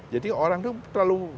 jadi orang itu terlalu